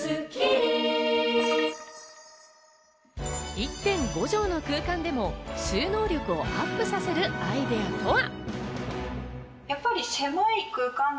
１．５畳の空間でも収納力をアップさせるアイデアとは。